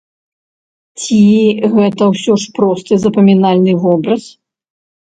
Ці гэта ўсё ж просты, запамінальны вобраз?